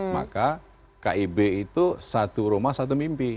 maka kib itu satu rumah satu mimpi